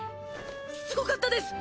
すごかったです！